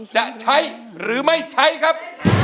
จะใช้หรือไม่ใช้ครับ